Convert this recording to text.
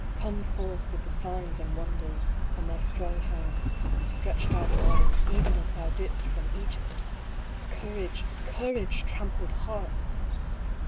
Come forth with the signs and wonders, and thy strong hands, and stretched out arms, even as thou didst from Egypt! Courage, courage! trampled hearts